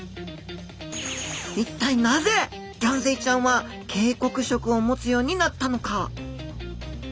一体なぜギョンズイちゃんは警告色を持つようになったのか？